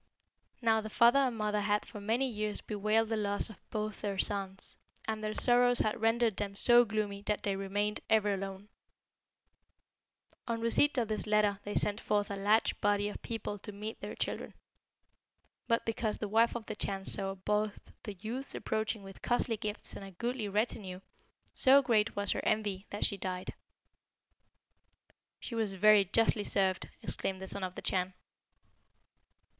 "Now the father and mother had for many years bewailed the loss of both their sons, and their sorrows had rendered them so gloomy that they remained ever alone. "On receipt of this letter they sent forth a large body of people to meet their children. But because the wife of the Chan saw both the youths approaching with costly gifts and a goodly retinue, so great was her envy that she died." "She was very justly served!" exclaimed the Son of the Chan.